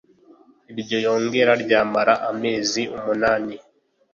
Iryo yongera ryamara amezi umunani